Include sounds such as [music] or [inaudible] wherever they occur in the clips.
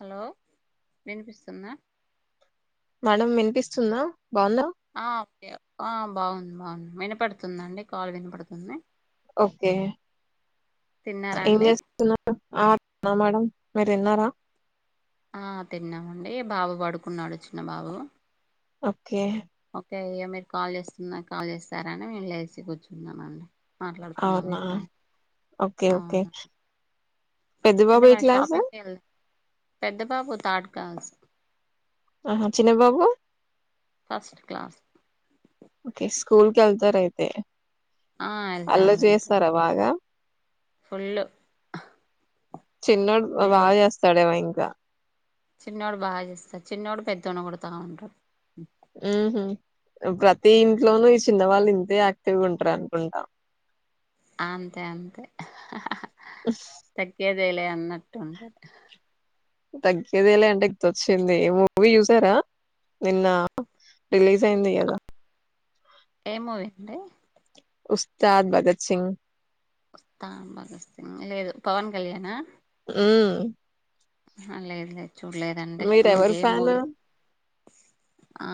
Hello వినిపిస్తుందా madam వినిపిస్తుందా బాగుందా ఆ ఒకే అ బాగుంది బాగుంది వినపడుతుందండి కాల్ వినపడుతుంది ఓకే తిన్నారా ఏం అండి చేస్తున్నారు అ మేడం మీరు తిన్నారా ఆ తిన్నామండి బాబు పడుకున్నాడు చిన్న బాబు ఓకే ఓకే ఏమి కాల్ చేస్తున్నా కాల్ చేస్తారాని నేను లేచి కూర్చున్నామండి మాట్లాడుతున్నాం అవునా మీతోని ఓకే ఓకే అవును పెద్ద అంటే బాబు ఏ మన క్లాస్ షాపింగ్కి వెళ్ పెద్ద బాబు థర్డ్ క్లాస్ ఆహా చిన్న బాబు ఫస్ట్ క్లాస్ ఓకే స్కూల్ కేళ్తారైతే ఆ అల్ల చేస్తారా బాగా ఫుల్ు చిన్నోడు బాగా చేస్తాడేవో ఇంకా చిన్నోడు బాగా చేస్తాడు చిన్నోడు పెద్దోన్ని కొడుతానే ఉంటాడు మ్ హు ప్రతి ఇంట్లోనూ ఈ చిన్న వాళ్ళు ఇంతే యాక్టివ్ గా ఉంటారు అనుకుంటా అంతే అంతే తగ్గేదే తేలే అన్నట్ ఉంట తగ్గేద లే అంటే ఇదిొచ్చింది మూవీ చుసారా నిన్న రిలీజ్ అయింది కదా ఏమూవి అడి ఉస్తాద్ భగత్ సింగ్ వస్తా భగత్ సింగ్ లేదు పవన్ కళ్యాన్ నా మ్ ఆ లేదు లేద్ చూడలేదండి ఇంకే మీరెవరు ఫ్యాన్ మూవీ ఆ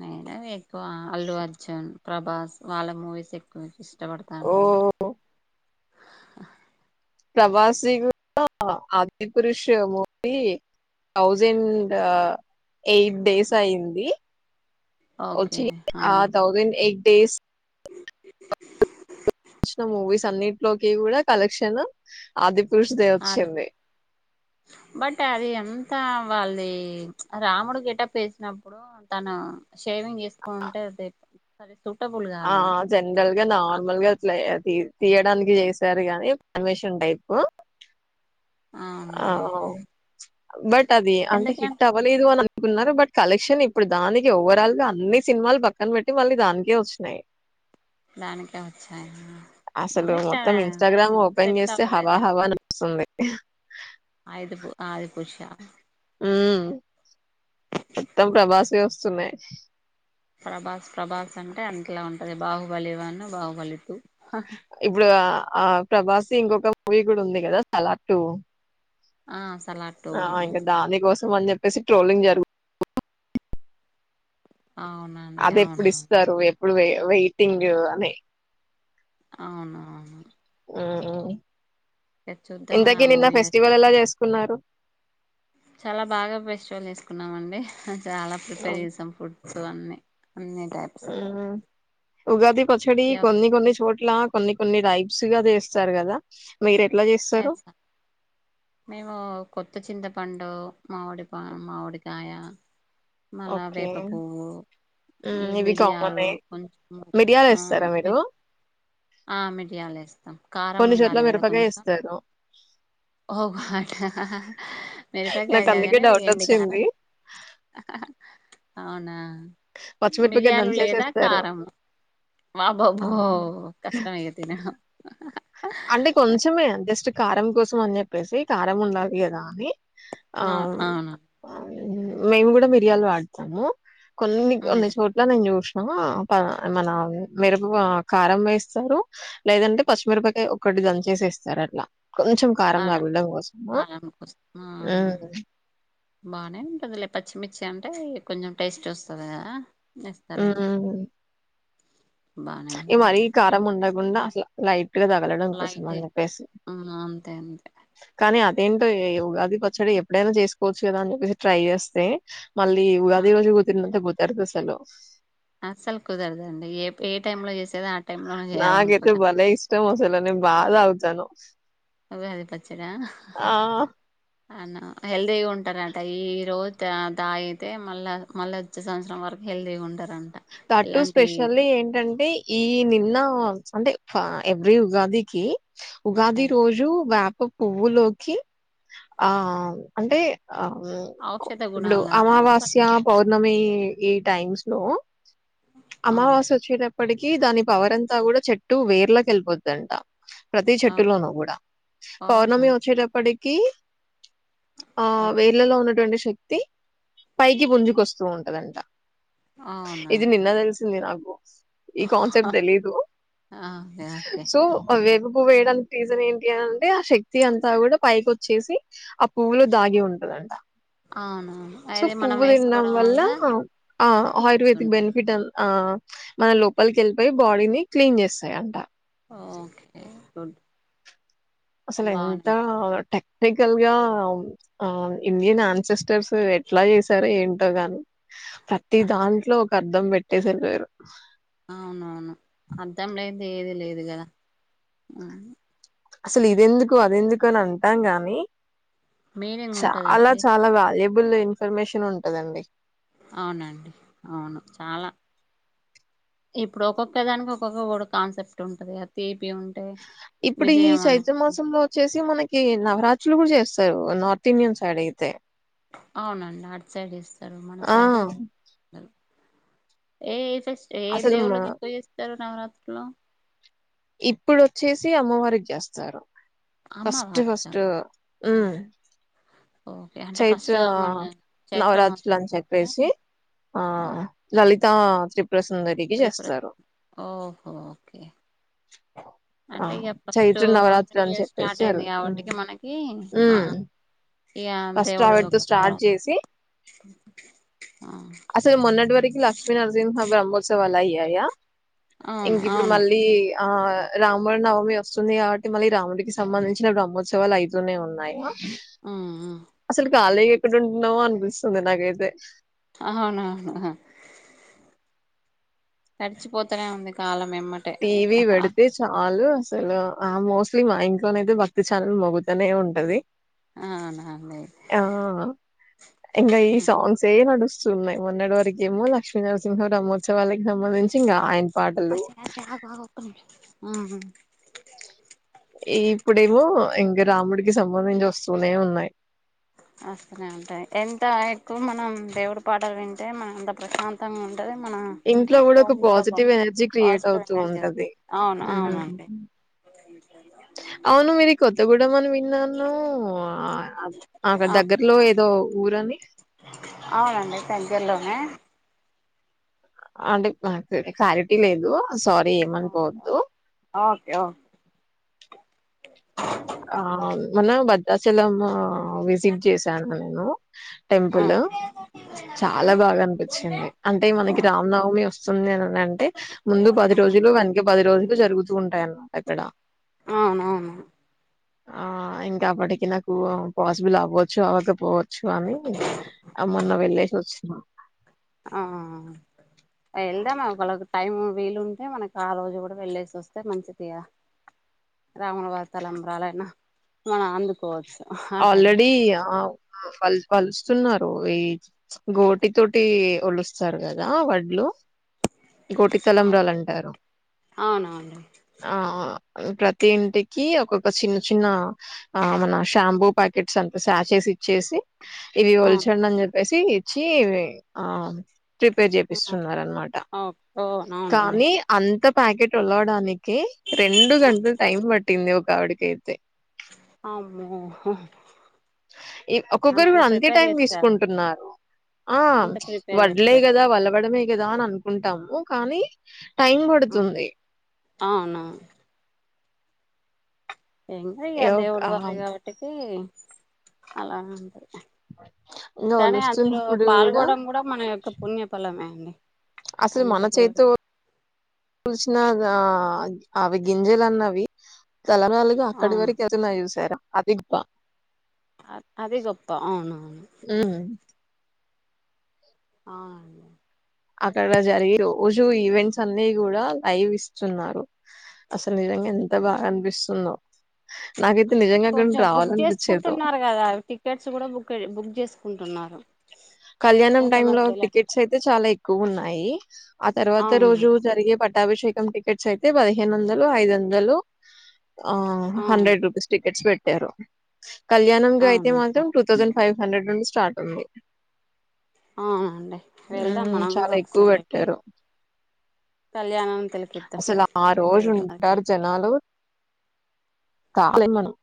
నిను ఎక్కువ అల్లు అర్జున్ ప్రభాస్ వాళ్ళ మూవీస్ ఎక్కువ ఇష్టపడతాను అన్నమాట ఓ ఆ ప్రబాస్ ది కూడ Adipurush movie thousand eight days అయ్యంది ఓకే ఓచ్చి ఆ థౌజండ్ ఎట్ డేస్ ఆ వచ్చిన మూవీస్ అన్నింటిలోకి కూడా కలెక్షన్ ఆది పురుష్ దే అది వచ్చింది బట్ అది అంత వాళ్ళది రాముడు గేటాప్పేసినప్పుడు తను షేవింగ్ చేసుకోంటే అద ఆ జనరల్ గా అక్కడ నార్మల్గా అట్లా తి తీయడానికి చేసారు గాని పర్మిషన్ టైపు ఆ అవునండి బట్ అది అంత ఎందుకని హిట్ అవ్వలేదు అని కున్నారు బట్ కలెక్షన్ ఇప్పుడు దానికి ఓవరాల్ గా అన్ని సినిమాలు పక్కన పెట్టి మళ్ళీ దానికే వచ్ నై దానికే వచ్చాయ అసలు అదే తా మొత్తం సెట్ అవ్వలేదే మొ స్తుంది ఆయిదుపు ఆదిపురుషా హుమ్మ్ మొత్తం ప్రభాస్ ఏ వస్తున్నాయి ప్రభాస్ ప్రభాస్ అంటే అట్లా ఉంటది బాహుబలి వన్ బాహుబలి టూ ఇప్పుడు ఆ ఆ ప్రభాస్ది ఇంకొక మూవీ కూడా ఉంది కదా సలార్ టూ ఆ సలార్ టూ ఆ కూడా ఉంది ఇంకా దానికోసం అని చెప్పేసి ట్రోలింగ్ జరుగ్ అవునండి అవునవును ఇప్పుడు వే వెయిటింగ్ అని అవునవును ఆ చూద్దాం ఆ ఇంతకి నిన్న మూవీ ఫెస్టివల్ ఎలా చేసుకున్నారు చాలా బాగా ఫెస్టివల్ తీసుకున్నామ అండి చాలా ప్రిపేర్ చేసాం ఫుడ్స్ అన్నిీ మ్ ఉగాది పచ్చడి కొన్ని కొన్ని చోట్ ట్లా కొన్ని కొన్ని రైప్స్ గా చేస్తారు కదా మీరేట్ స్తం మేము కొత్త చింత పండు మామిడి పా మామిడికాయ మళ్ళ ఓకే వేప పువ్వు ఈ ఉమ్ ఇవి మీడియాలు కామనే కొంచెం మిరియాలు ఆ వేస్తారా మీరు ఆ మిడియాలుేస్తాం కారం కొన్ని చోట్ల ఉండాలి కదా మిరపకాయ కొంచెం వేస్తారు ఓ మ ట మిరపకాయ నాకు కదు అందుకే కానీ డౌట్ ఎండు వచ్చింది కరం అవునా పచ్చిమిరపకాయ మిరీయాలు లేదా దంచేసేస్తారు కారము ఆ! వబబ్బో కష్టంమే ఇగ తి అంటే కొంచెమే జస్ట్ కారం కోసం అని చెప్పేసి కారం ఉండది కదా అని ఆ అవును మేము కూడా మిరియాలు వాడతాము కొన్ని కొన్ని మీరు చోట్ల నేను చూసా మన మిరుపు కారం వేస్తారు లేదంటే పచ్చి మిరపకాయ్ ఒకటి దంచేసేస్తారు అట్లా కొంచెం కారం ఆలా తగలడం కోసము ఆలా బానే ఉంటదిలే ప పచ్చిమిర్చి అంటే కొంచెం టేస్ట్ వస్తది కదా ఉమ్ ఎస్తారేమో ఉమ్ ఈ మరీ కారం ఉండకుండా అట్లా లైట్ పట్టుగా తగలడం కోసం లైట్ అని చెప్పేసి ఉమ్, అంతే అంతే కానీ ఏంటో ఉగాది పచ్చడి ఎప్పుడైనా చేసుకోవచ్చు కదా అండి మీరు ట్రై చేస్తే మళ్ళీ ఆ, ఉగాది రోజు కు [unintelligible] పోతారు అసలు అస్సలు కుదరదండి ఏ ఏ టైమ్ లో చేసేది ఆ టై లోనే చేయాలంటారు క ఇస్తాం అసలు నేను బాగా తాగుతాను ఉగాది పచ్చడ ఆ అ హెల్తీగా ఉంటారట ఈ రోజు తాగుతే మళ్ళా మళ్ళీ వచ్చే సంవత్సరం వరకు హెల్దీ ఉంటరు అటు స్పెషల్లీ ఏంటంటే ఈ నిన్న అంటే ఎవ్రీ ఉగాదికి ఉగాది రోజు వేప పువ్వులోకి ఆ అంటే ఆ ఔషధ లో గుణాలాగా అమావాస్య పనిచేస్తారు పౌర్ణమి ఈ టైమ్స్ లో అవును అమావాస్య వచ్చేటప్పటికి దాని పవరంతా కూడా చెట్టు వేర్లాకి వెళ్ళిపోతదంట ప్రతి చెట్టులోనూ కూడా అవునా పౌర్ణమి వచ్చేటప్పటికి ఆ ఓకే వేర్లలో ఉన్నటువంటి శక్తి పైకి గుంజుకొస్తూ ఉంటదంట అవునా ఇది నిన్న తెలు సింది నాకు ఈ కాన్సెప్ట్ తెలిదు ఓకే ఓకే సో అవే పువ వేయడానికి రీజన్ ఏంటి అంటే ఆ శక్తి అంతా కూడా పైకోచ్చేసి ఆ పువ్వులో దాగి ఉంటదంట అవును సో అయితే మనం పువ్వు తినడం వేసుకోవడం వల్ల ఆ ఆయుర్వేదిక్ ఉంటుంది బెనిఫిట్ ఆ మన లోపలికి వెళ్ళిపోయి బాడీని క్లీన్ చేస్తాయి అంట ఆ ఓకే గుడ్ అసలు ఎంత బానే టె టికల్ గా ఆ ఇండియన్ ఆన్సెస్టర్స్ ఎట్లా చేసారో ఏంటో గాని ప్రతి దాంట్లో ఒక అర్ధం పెట్టేసారు వరు అవునవును అర్థం లేనిది ఏది లేదు కదా అసలు ఇది ఎందుకు అది ఎందుకు అని అంటాం గాని మీనింగ్ చాలా ఉంటదండి చాలా వాల్యుబుల్ ఇన్ఫర్మేషన్ ఉంటందండి అవునండి అవును చాలా ఇప్పుడు ఒక్కొక్క దానికి ఒక్కొక్క కాన్సెప్ట్ ఉంటది అ ఇప్పుడు ఈ చైత్ర మాసంలో వచ్చేసి మనకి నవరాత్రి లు కూడా చేస్తారు నార్త్ ఇండియన్ సైడ్ అయితే అవునండి అటి సైడ్ చేస్తారు మన ఆ! సైడ ఏ ఫస్ట్ ఏ అసలు మా దేవుళ్ళకి ఎక్కువ చేస్తారు నవరాత్రులు ఇప్పుడు వచ్చేసి అమ్మవారికి చేస్తారు ఫస్ట్ అమ్మవారికా ఫస్ట్ ఓకే అంటే చైత్ర ఫస్ట్ మన చైత్ర మాసం నవరాత్రులు అని చెప్పేసి అంటే ఆ ఓ, లలిత తా త్రిపుర ఓహో ఓకే అ ఆ అంటే ఇక ఫస్ట్ చైత్ర నవరాత్రి న్యూ అని ఇయర్ చెప్పేసి స్టార్ట్ ఆ అయింది కాబట్టికి మనకి ఆ ఇక ఫస్ట్ దేవుడు ఆవిటితో యొక్క స్టార్ట్ నవరాత్రి చేసి ఆ, అసే మన్నడవరికిి క్ష్మనార్జన్ హ బ్రహ్మోత్సవ అలాయి యా అవును ఇంక ఇప్పుడు అవునండి మళ్ళీ ఆ రాముడు నవమి వస్తుంది కాబట్టి మళ్ళీ రాముడికి సంబంధించిన బ్రహ్మోత్సవాలు అయితూనే ఉన్నాయి ఆ అసలు ఖాళీగా ఎక్కడుంటున్నామో అనిపిస్తుంది నాకైతే అవునా అవును కడిచి పోతానేవుంది కాలం ఎమ్మటే టీవి పెడితే చాలు అసలు ఆ మోస్ట్లీ మా ఇంట్లోనైతే భక్తి ఛానల్ మొగుతానే ఉంటది హ ఇంకా ఈ సాంగ్స్ ఏ నడుస్త ఉన్నాయి మొన్నటి వరకేమో లక్ష్మీ నరసింహ రహ్త్సాలకి సంబధించి ఇంకా ఆయన పాటలు [unintelligible] ఇంక రాముడికి సంబంధించి వస్తూనే ఉన్నాయి వస్తూనే ఉంటాయి ఎంత ఎక్కువ మనం దేవుడి పాటలు వింటే మనం అంత ప్రశాంతంగా ఉంట ఇంట్లో కూడా ఒక పాజిటివ్ ఎనర్జీ క్రియేట్ పాజిటివ్ అవుతూ ఎనర్జీ వస్తుంది. ఉంటది అవును హ్మ్ అవునండి అవును మీరి కొత్తగూడమ అని విన్నాను అక్కడ దగ్గరలో ఏదో ఊరని అవునండి దగ్గరలోనే అంటే మాకు క్లారిటీ లేదు సారీ ఏం ఓకే అనుకోవద్దు ఓకే ఆ మన భద్రాచలం విజిట్ చేశాను నేను టెంపుల్ చాలా బాగా అనిపించింది అంటే మనకి రమనవమి వస్తుంది అని అంటే ముందు పది రోజులు వెనక పది రోజులు జరుగుతూ ఉంటాయి అన్నమాట అక్కడ అవునవును ఆ ఇంకా అప్పటికి నాకు పాస్బలు అవ్వచ్చు అవ్వకపోవచ్చు చు అ అ మన్న వెళ్ళచ్చ ఆ వెళ్దా మ వాళ్ళకి టైం వీలుంటే మనకు ఆ రోజు కూడా వెళ్ళేసి వస్తే మంచిది రాముని వారి తలబారాలు అయినా మవనాందికో ఆల్రెడి ఆ పలుస్తున్నారు ఈ గోటి తోటి వలుస్తారు కదా వడ్లు ఇం కోటి ఆ తలంబ్రాలు అంటారు అవునవును ఆ ప్రతి ఇంటికి ఒక్కొక్క చిన్న చిన్న ఆ మన షాంపూ ప్యాకెట్స్ అంత సాచెస్ ఇచ్చేసి ఇవి అవును ఒల్చడీ అనీ చెప్పేసి చెప్పేసి ఇచ్చి హా ప్రిపేర్ చేపిస్తున్నారు అనమాట ఆ ఓ అవునండి కానీ అంత ప్యాకెట్ వలవడానికి కే రెండు గంటలు టైం పట్టింది ఒక ఆవిడికైతే ఆమ్మో ఈ ఒక్కొక్కరు కూడా అంతే టైం చేస్తారు తీసుకుంటున్నారు ఆ అంత ప్రిపేర్ వడ్లే చేస్తారు కదా వలవడమే కదా అని అనుకుంటాము కానీ టైం పడుతుంది అవునవును ఇంకా ఇ దేవుడు ఆ వారు కాబటికి అలా ఉంటయి ఇంగ కానీ అందులో ఒలుస్తున్నప్పుడు పాల్గొవడం కూడా మన యొక్క పుణ్యఫలమే అండి అసలు అంత దేవుడు మనచయితేసిన ఆ అవి గింజలు అన్నవి తెలనాలుగా అక్కడి అవును వరకు వెళ్తున్నాయ్ చూసారా అది గొప్ప అ అదే గొప్ప అవునవును హ్మ్. ఆ అక్కడ జరిగి రోజు ఈవెంట్స్ అన్ని కూడా లైవ్ ఇస్తున్నారు అసలు నిజంగా ఎంత బాగా అనిపిస్తుందో నాకైతే నిజంగా అక్కడికి కొంచెం బుక్ రావాలనిపించేదో చేసుకుంటున్నారు కదా టికెట్స్ కూడా బుక్ చేసుకుంటున్నారు ఆ కళ్యాణం టైమ్ కొంతమంది లో వెళ్ళ టికెట్స్ అయితే చాలా ఎక్కువ ఉన్నాయి ఆ తర్వాత రోజు అవునండి జరిగే పండు అభిషేకం టికెట్స్ అయితే పదిహేను వందలు ఐదు వందలు ఆ అవును హండ్రెడ్ రూపీస్ టికెట్స్ పెట్టారు కళ్యాణం అయితే అవునండి మాత్రం టూ థౌసండ్ ఫైవ్ హండ్రెడ్ నుడి స్టార్ట్ ఉంది అవునండి వెళ్దాం మనం కూడా చాలా ఎక్కువ ఒకసారి పెట్టి పెట్టారు అసలు ఆ రోజు దేవుడి వారి ఉంటారు జనాలు కాలేము మనం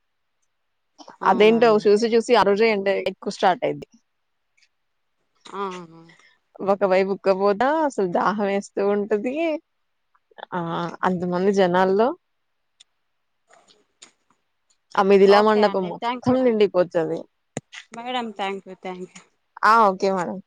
అదేంటో అవునండి చూసి చూసి ఆ రోజే ఇడా ఎక్కువ స్టార్ట్ అయిద్ది హా ఆ ఒక వైపు ఉక్కపోతా అసలు దాహం వేస్తూ ఉంటది ఆ అంతమంది జనాల్లో ఆ మంది తో ఓకే మండపం అండి థ్యాంక్ మొత్తం యూ అండి నిండిపోతుంది madam thank you thank you okay madam